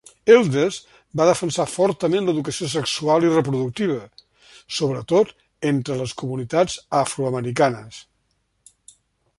Elders va defensar fortament l'educació sexual i reproductiva, sobretot entre les comunitats afroamericanes.